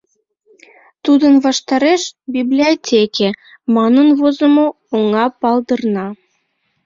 Тудын ваштареш «Библиотеке» манын возымо оҥа палдырна.